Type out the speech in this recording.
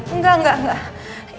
enggak enggak enggak